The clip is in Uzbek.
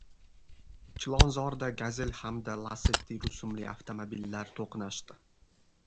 Chilonzorda "Gazel" hamda "Lasetti" rusumli avtomobillar to‘qnashdi